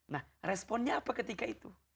nah responnya apa ketika itu